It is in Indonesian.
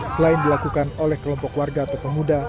selain dilakukan oleh kelompok warga atau pemuda